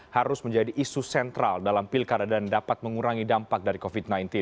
harus menjadi isu sentral dalam pilkada dan dapat mengurangi dampak dari covid sembilan belas